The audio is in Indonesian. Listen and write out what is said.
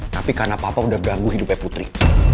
tapi karena papa udah ganggu hidupnya putri